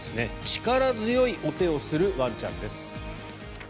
力強いお手をするワンちゃんです。